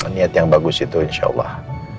niat yang bagus itu insya allah